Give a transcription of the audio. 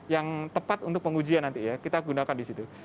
yang tepat untuk pengujian nanti ya kita gunakan di situ